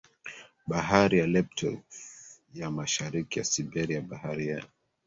Bahari ya Laptev ya Mashariki ya Siberia Bahari ya